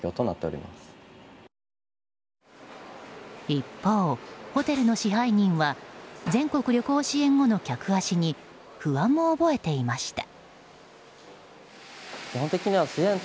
一方、ホテルの支配人は全国旅行支援後の客足に不安も覚えていました。